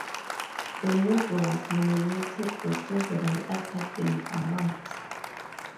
The movie was nominated for several Academy Awards.